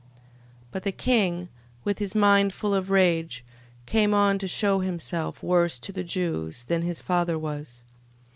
13:9. But the king, with his mind full of rage, came on to shew himself worse to the Jews than his father was.